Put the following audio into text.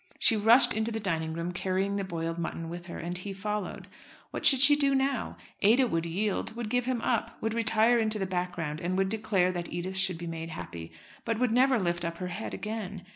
She rushed into the dining room carrying the boiled mutton with her, and he followed. What should she do now? Ada would yield would give him up would retire into the background, and would declare that Edith should be made happy, but would never lift up her head again.